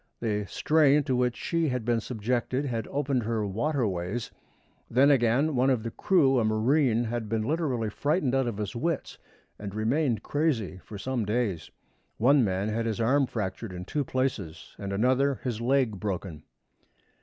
The strain to which she had been subjected had opened her "waterways." Then, again, one of the crew, a marine, had been literally frightened out of his wits, and remained crazy for some days. One man had his arm fractured in two places, and another his leg broken.